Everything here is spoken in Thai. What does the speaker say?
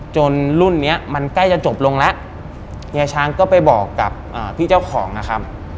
รุ่นเนี้ยมันใกล้จะจบลงแล้วเฮียช้างก็ไปบอกกับพี่เจ้าของนะครับ